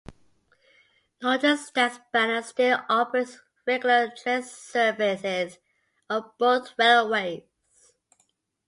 Norges Statsbaner still operates regular train services on both railways.